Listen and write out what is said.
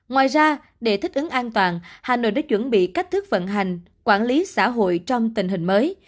ngoài ra để thích ứng an toàn hà nội đã chuẩn bị cách thức vận hành quản lý xã hội trong tình hình mới